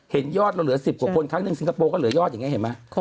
เห็นยอดเราเหลือ๑๐กว่าคนครั้งหนึ่งสิงคโปร์ก็เหลือยอดอย่างนี้เห็นไหม